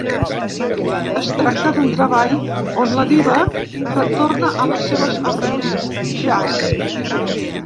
Es tracta d’un treball on la diva retorna a les seves arrels jazz.